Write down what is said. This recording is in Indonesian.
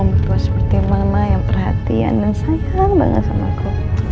betul seperti mama yang perhatian dan sayang banget sama aku